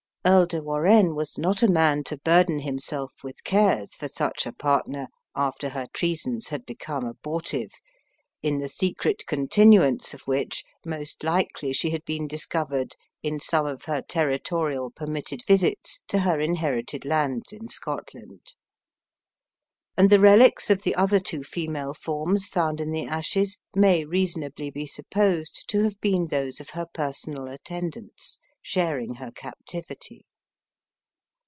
Earl de Warenne was not a man to burden himself with cares for such a partner, after her treasons had become abortive, in the secret continuance of which, most likely, she had been discovered in some of her territorial permitted visits to her inherited lands in Scotland. And the relics of the other two female forms found in the ashes, may reasonably be supposed to have been those of her personal attendants, sharing her captivity.